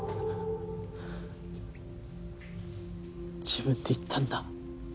自分で言ったんだ。